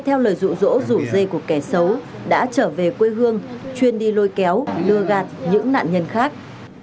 theo lời rụ rỗ rủ dây của kẻ xấu đã trở về quê hương chuyên đi lôi kéo lừa gạt những nạn nhân khác